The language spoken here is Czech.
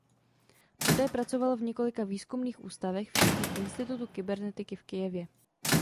Poté pracoval v několika výzkumných ústavech včetně institutu kybernetiky v Kyjevě.